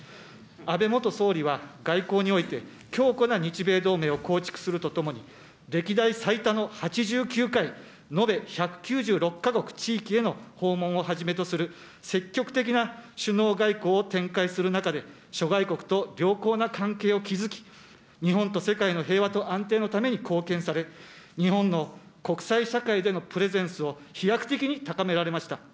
安倍元総理は、外交において、強固な日米同盟を構築するとともに、歴代最多の８９回、延べ１９６か国・地域への訪問をはじめとする、積極的な首脳外交を展開する中で、諸外国と良好な関係を築き、日本と世界の平和と安定のために貢献され、日本の国際社会でのプレゼンスを飛躍的に高められました。